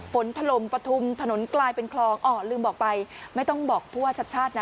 ฝนถลมประทุมถนนกลายเป็นคลองอ๋อลืมบอกไปไม่ต้องบอกเพราะว่าชาติชาตินะ